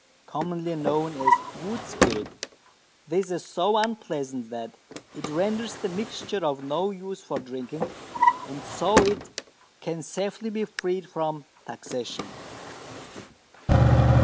Commonly known as "wood spirit," this is so unpleasant that it renders the mixture of no use for drinking, and so it can safely be freed from taxation.